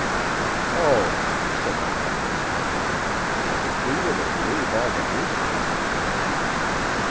"Oh," said Madame d'Esparvieu, "if we are to believe all the newspapers say...."